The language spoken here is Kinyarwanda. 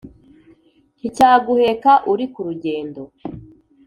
Nticyaguheka uri ku rugendo